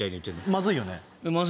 まずいよね？